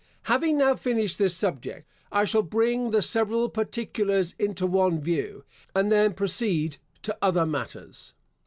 Having now finished this subject, I shall bring the several particulars into one view, and then proceed to other matters.